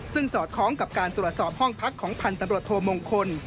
ซึ่งสอดคล้องกับการตรวจสอบห้องพักของพันธบรวจโทมงคล